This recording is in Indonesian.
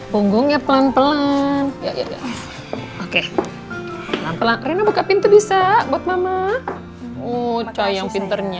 punggungnya pelan pelan ya ya oke pelan pelan rina buka pintu bisa buat mama oh sayang pinternya